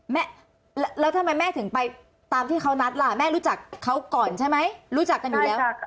แม่แล้วทำไมแม่ถึงไปตามที่เขานัดล่ะแม่รู้จักเขาก่อนใช่ไหมรู้จักกันอยู่แล้ว